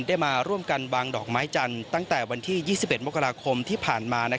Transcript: ได้มาร่วมกันวางดอกไม้จันทร์ตั้งแต่วันที่๒๑มกราคมที่ผ่านมา